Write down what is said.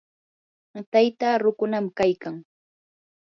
taytaa rukunam kaykan.